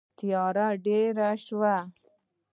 تیاره ډېره شوه.